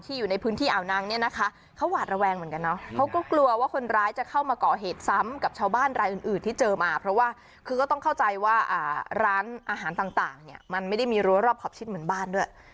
อยู่ในพื้นที่อ่าวนางเนี่ยนะคะเขาหวาดระแวงเหมือนกันเนาะเขาก็กลัวว่าคนร้ายจะเข้ามาก่อเหตุซ้ำกับชาวบ้านรายอื่นอื่นที่เจอมาเพราะว่าคือก็ต้องเข้าใจว่าร้านอาหารต่างเนี่ยมันไม่ได้มีรั้วรอบขอบชิดเหมือนบ้านด้วย